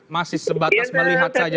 masih sebatas melihat saja